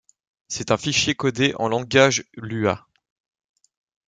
C'est un fichier codé en langage Lua.